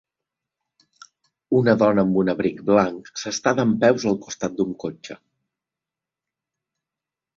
Una dona amb un abric blanc s'està dempeus al costat d'un cotxe.